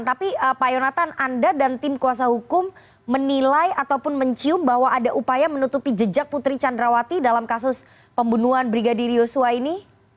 tapi pak yonatan anda dan tim kuasa hukum menilai ataupun mencium bahwa ada upaya menutupi jejak putri candrawati dalam kasus pembunuhan brigadir yosua ini